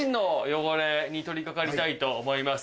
に取り掛かりたいと思います。